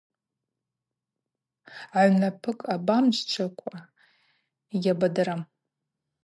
Агӏвнапӏыкӏ абамджвджвакӏва йгьабадырам.